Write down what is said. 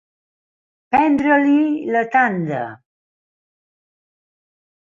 Prendre-li la tanda.